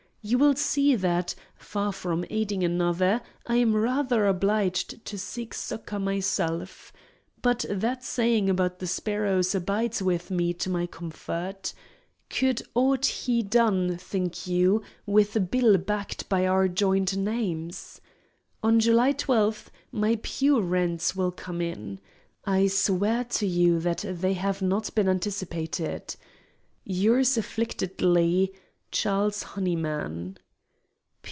You will see that, far from aiding another, I am rather obliged to seek succour myself. But that saying about the sparrows abides with me to my comfort. Could aught be done, think you, with a bill backed by our joint names? On July 12 my pew rents will come in. I swear to you that they have not been anticipated. Yours afflictedly, CHARLES HONEYMAN.